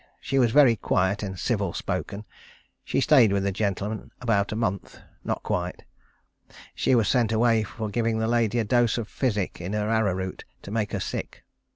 She was very quiet and civil spoken. She stayed with the gentleman about a month; not quite. She was sent away for giving the lady a dose of physic in her arrow root to make her sick.